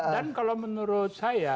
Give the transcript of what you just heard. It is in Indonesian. dan kalau menurut saya